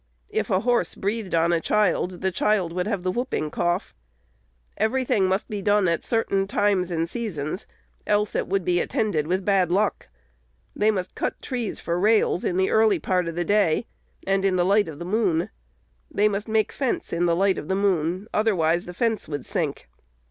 If a horse breathed on a child, the child would have the whooping cough. Every thing must be done at certain "times and seasons," else it would be attended with "bad luck." They must cut trees for rails in the early part of the day, and in "the light of the moon." They must make fence in "the light of the moon;" otherwise, the fence would sink.